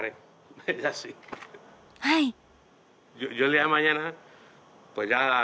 はい。